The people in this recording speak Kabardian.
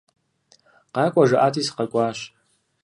Къакӏуэ жаӏати, сыкъэкӏуащ.